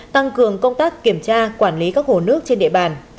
tăng cường công tác kiểm tra quản lý các hồ nước trên địa bàn